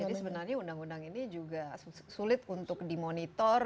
jadi sebenarnya undang undang ini juga sulit untuk dimonitor